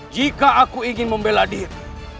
jika aku ingin membela diri